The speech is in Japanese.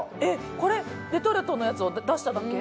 これ、レトルトのやつを出しただけ？